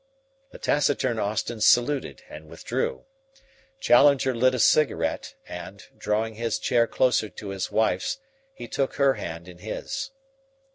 The taciturn Austin saluted and withdrew. Challenger lit a cigarette, and, drawing his chair closer to his wife's, he took her hand in his.